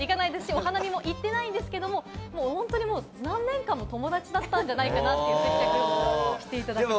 お花見も行ってないんですけど何年間も友達だったんじゃないかなっていう接客をしてくださって。